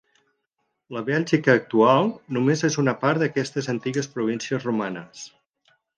La Bèlgica actual només és una part d'aquestes antigues províncies romanes.